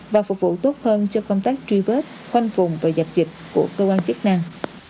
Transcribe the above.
và phục vụ tốt hơn cho công tác truy vết khoanh vùng và dập dịch của cơ quan chức năng